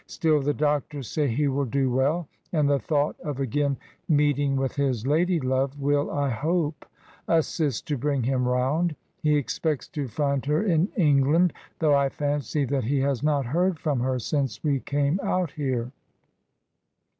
Still the doctors say he will do well, and the thought of again meeting with his lady love will, I hope, assist to bring him round. He expects to find her in England, though I fancy that he has not heard from her since we came out here."